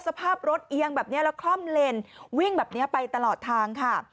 สภาพรถเอียงแบบนี้แล้วคล่อมเลนวิ่งแบบนี้ไปตลอดทางค่ะ